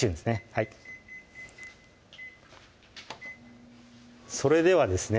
はいそれではですね